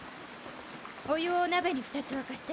お湯を鍋に２つ沸かして。